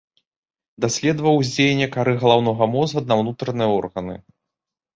Даследаваў уздзеянне кары галаўнога мозга на ўнутраныя органы.